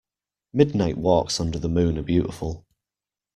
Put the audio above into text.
Midnight walks under the moon are beautiful.